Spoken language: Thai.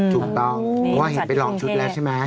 ถูกต้องเพราะว่าเห็นไปหลอกชุดแล้วใช่ไหม